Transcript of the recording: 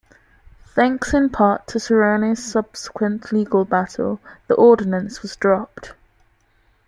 Thanks in part to Serrano's subsequent legal battle, the ordinance was dropped.